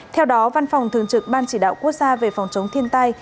theo đó văn phòng thường trực ban chỉ đạo quốc gia về phòng chống thiên tai